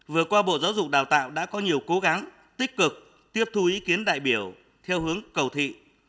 vừa qua bộ giáo dục đào tạo đã có nhiều cố gắng tích cực tiếp thu ý kiến đại biểu theo hướng cầu thị